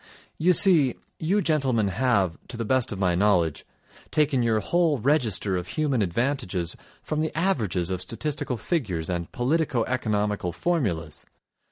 You see, you gentlemen have, to the best of my knowledge, taken your whole register of human advantages from the averages of statistical figures and politico economical formulas.